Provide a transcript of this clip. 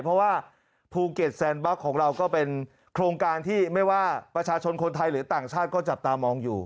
เพราะว่าภูเก็ตแซนบล็อกของเราก็เป็นโครงการที่ไม่ว่าประชาชนคนไทยหรือต่างชาติก็จับตามองอยู่